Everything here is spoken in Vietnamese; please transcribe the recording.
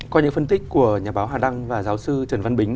qua những phân tích của nhà báo hà đăng và giáo sư trần văn bính